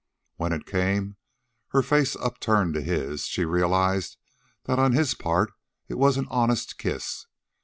When it came, her face upturned to his, she realized that on his part it was an honest kiss.